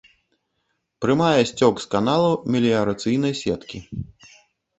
Прымае сцёк з каналаў меліярацыйнай сеткі.